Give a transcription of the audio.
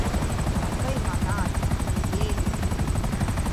А тый манат — оръеҥ!